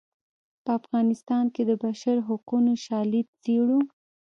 په افغانستان کې د بشر حقونو شالید څیړو.